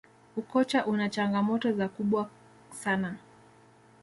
ukocha una changamoto za kubwa sana